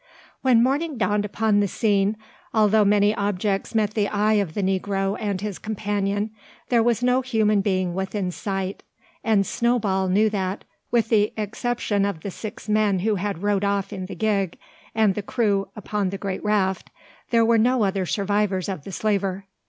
When morning dawned upon the scene, although many objects met the eye of the negro and his companion, there was no human being within sight; and Snowball knew that, with the exception of the six men who had rowed off in the gig, and the crew upon the great raft, there were no other survivors of the slaver.